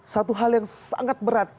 satu hal yang sangat berat